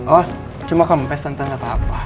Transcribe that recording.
oh cuma kempes tante gapapa